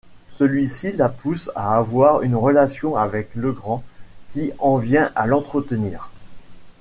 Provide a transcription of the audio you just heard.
Celui-ci la pousse à avoir une relation avec Legrand, qui en vient à l'entretenir.